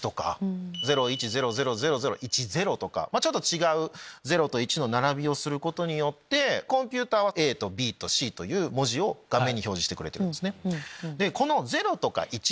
ちょっと違う０と１の並びをすることによってコンピューターはＡとＢとＣという文字を画面に表示してくれてるんですね。